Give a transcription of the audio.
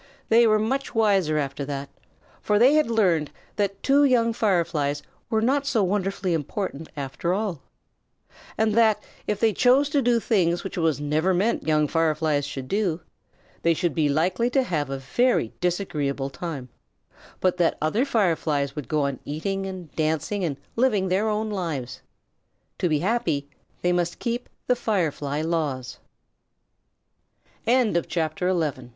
They were much wiser after that, for they had learned that two young Fireflies were not so wonderfully important after all. And that if they chose to do things which it was never meant young Fireflies should do, they would be likely to have a very disagreeable time, but that other Fireflies would go on eating and dancing and living their o